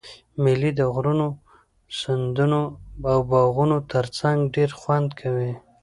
مېلې د غرو، سیندو او باغو ترڅنګ ډېر خوند کوي.